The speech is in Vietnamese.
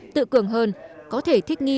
tự cường hơn có thể thích nghi